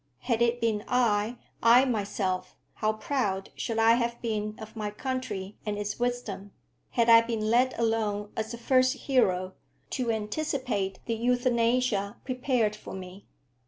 Had it been I, I myself, how proud should I have been of my country and its wisdom, had I been led along as a first hero, to anticipate the euthanasia prepared for me!